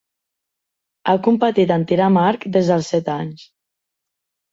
Ha competit en tir amb arc des dels set anys.